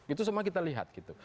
itu semua kita lihat gitu